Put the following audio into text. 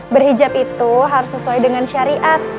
berhijab itu harus sesuai dengan syariat